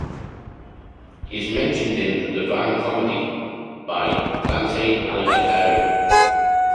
He is mentioned in "The Divine Comedy" by Dante Alighieri.